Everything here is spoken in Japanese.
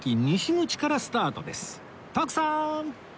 徳さーん！